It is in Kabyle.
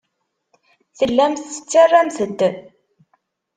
Tellamt tettarramt-d.